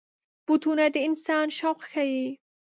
بوټونه د انسان شوق ښيي.